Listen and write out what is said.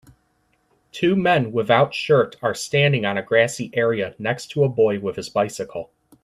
Two men without shirt are standing on a grassy area next to a boy with his bicycle.